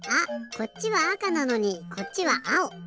こっちはあかなのにこっちはあお！